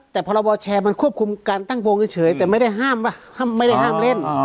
แต่โลกแชร์เขาควบคุมกันตั้งวงเฉยแต่ไม่ได้ห้ามเล่น